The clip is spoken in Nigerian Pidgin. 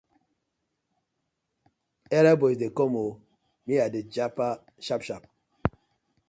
Area boys dey com ooo, me I dey jappa sharp sharp.